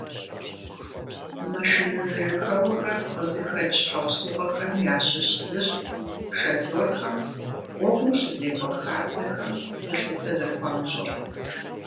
Машинэ зэжьыхэуэхэр къызыхэкӏ щхьэусыгъуэхэм ящыщ зыщ шоферхэм гъуэгум щызекӏуэ хабзэхэм гулъытэ зэрыхуамыщӏыр.